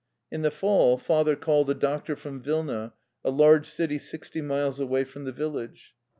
In the fall father called a doctor from Vilna, a large city sixty miles away from the village.